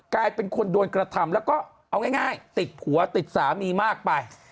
กลายเป็นคนโดนกระทำแล้วก็เอาง่ายติดผัวติดสามีมากไป